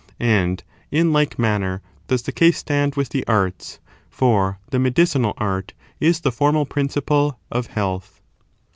And in like manner does the case stand with the arts ; for the medicinal art is the formal principle of health.